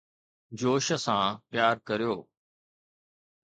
جوش سان پيار ڪريو